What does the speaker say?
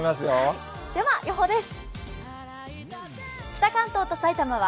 では、予報です。